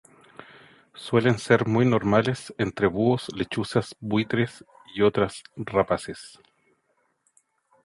Suelen ser muy normales entre búhos, lechuzas, buitres y otras rapaces.